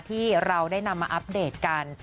ที่เราได้นำมาอัปเดตกัน